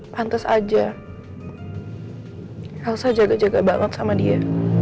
pantes aja elsa jaga jaga banget sama dia